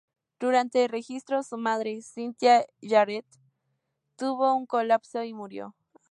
Durante el registro, su madre, Cynthia Jarrett, tuvo un colapso y murió.